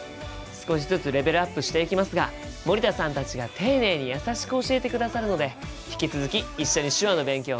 少しずつレベルアップしていきますが森田さんたちが丁寧に優しく教えてくださるので引き続き一緒に手話の勉強頑張りましょうね！